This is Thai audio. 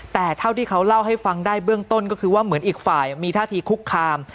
แต่เท่าที่เขาเล่าให้ฟังได้เบื้องต้นก็คือว่าเหมือนอีกฝ่ายมีท่าทีคุกคาม